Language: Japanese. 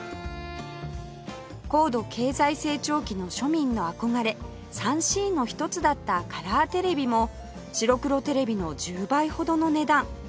高度経済成長期の庶民の憧れ ３Ｃ の一つだったカラーテレビも白黒テレビの１０倍ほどの値段